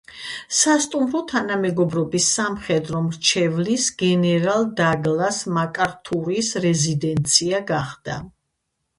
სასტუმრო თანამეგობრობის სამხედრო მრჩევლის, გენერალ დაგლას მაკართურის რეზიდენცია გახდა.